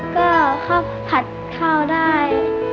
ก็ข้าวผัดข้าวได้